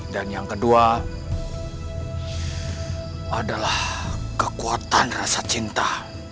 dan yang kedua adalah kekuatan rasa cinta